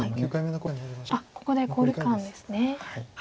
ここで考慮時間ですね。